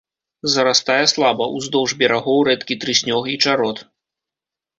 Зарастае слаба, уздоўж берагоў рэдкі трыснёг і чарот.